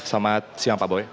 selamat siang pak boy